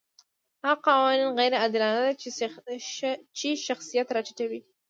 هغه قوانین غیر عادلانه دي چې شخصیت راټیټوي.